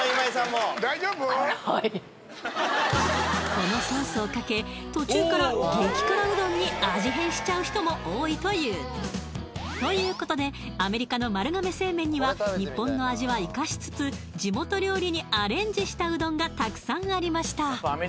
このソースをかけ途中から激辛うどんに味変しちゃう人も多いというということでアメリカの丸亀製麺には日本の味は生かしつつ地元料理にアレンジしたうどんがたくさんありました